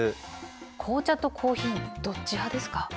紅茶とコーヒーどっち派ですか？